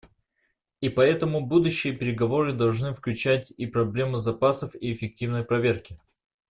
И поэтому будущие переговоры должны включать и проблему запасов и эффективной проверки.